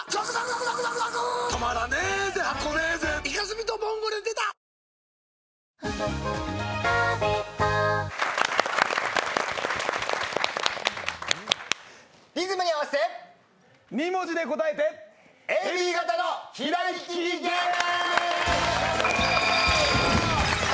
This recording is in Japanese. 「ビオレ」リズムに合わせて２文字で答えてＡＢ型の左利きゲーム！